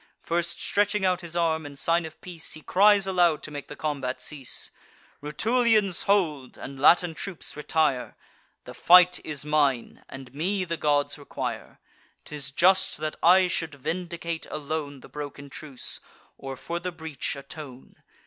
First stretching out his arm, in sign of peace, He cries aloud, to make the combat cease: "Rutulians, hold; and Latin troops, retire! The fight is mine; and me the gods require. 'Tis just that I should vindicate alone The broken truce, or for the breach atone.